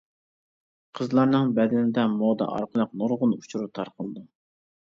قىزلارنىڭ بەدىنىدە مودا ئارقىلىق نۇرغۇن ئۇچۇر تارقىلىدۇ.